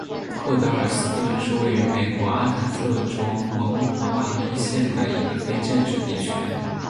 赫德尔斯顿是位于美国阿肯色州蒙哥马利县的一个非建制地区。